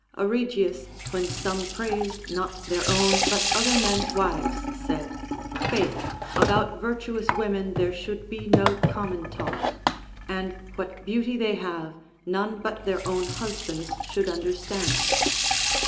Aregeus, ΛΛ^Ιιεη some praised not their own but other men's Avives, said : Faith, about virtuous women there should be no common talk ; and Avhat beauty they have none but their own husbands should understand.